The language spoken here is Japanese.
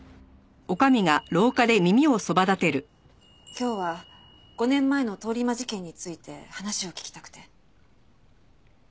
今日は５年前の通り魔事件について話を聞きたくて。